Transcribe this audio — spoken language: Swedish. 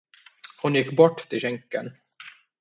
Hon gick bort till skänken.